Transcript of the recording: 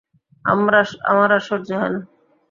আমার আর সহ্য হয় না।